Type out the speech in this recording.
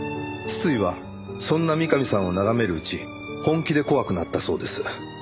筒井はそんな三上さんを眺めるうち本気で怖くなったそうです。